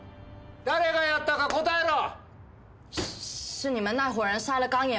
誰がやったか答えろ！